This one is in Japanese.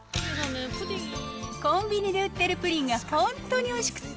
コンビニで売ってるプリンが本当においしくって。